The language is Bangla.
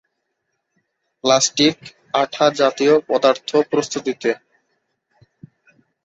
প্লাস্টিক, আঠা জাতীয় পদার্থ প্রস্তুতিতে।